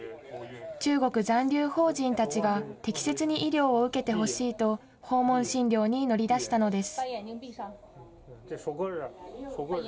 中国残留邦人たちが適切に医療を受けてほしいと、訪問診療に乗り出したのです。